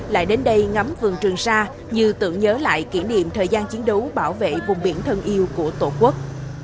lại đến đây ngắm vườn trường xa như tưởng nhớ lại kỷ niệm thời gian chiến đấu bảo vệ vùng biển thân yêu của tổ quốc